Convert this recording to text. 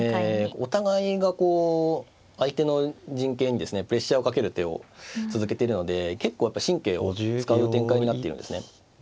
お互いがこう相手の陣形にですねプレッシャーをかける手を続けてるので結構やっぱ神経を使う展開になっているんですね。